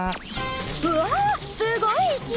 うわすごい勢い！